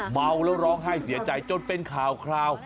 เมาแล้วร้องไห้เสียใจจนเป็นข่าวคราว